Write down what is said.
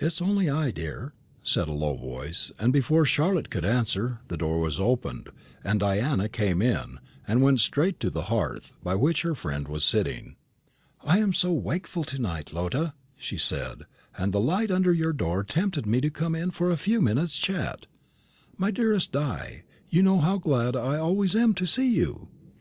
"It is only I, dear," said a low voice; and before Charlotte could answer, the door was opened, and Diana came in, and went straight to the hearth, by which her friend was sitting. "I am so wakeful to night, Lotta," she said; "and the light under your door tempted me to come in for a few minutes' chat." "My dearest Di, you know how glad I always am to see you."